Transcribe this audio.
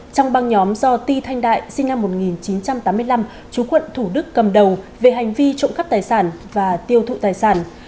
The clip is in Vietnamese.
trong băng nhóm do ti thanh đại sinh năm một nghìn chín trăm tám mươi năm chú quận thủ đức cầm đầu về hành vi trộm cắp tài sản và tiêu thụ tài sản